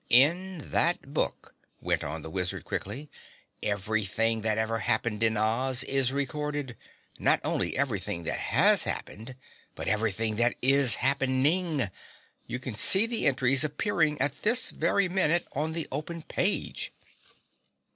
"In that book," went on the wizard quickly, "everything that ever happened in Oz is recorded, not only everything that has happened, but everything that is happening. You can see the entries appearing at this very minute on the open page."